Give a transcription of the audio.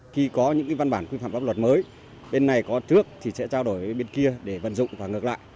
khi có những văn bản quy phạm pháp luật mới bên này có trước thì sẽ trao đổi với bên kia để vận dụng